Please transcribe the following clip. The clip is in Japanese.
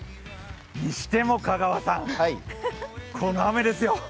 にしても香川さん、この雨ですよ。